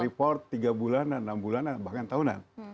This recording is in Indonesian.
report tiga bulanan enam bulanan bahkan tahunan